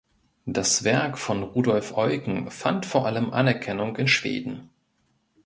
Das Werk von Rudolf Eucken fand vor allem Anerkennung in Schweden.